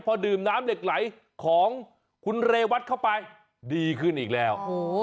พอดื่มน้ำเหล็กไหลของคุณเรวัตเข้าไปดีขึ้นอีกแล้ว